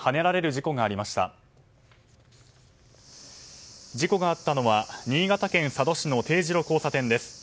事故があったのは新潟県佐渡市の丁字路交差点です。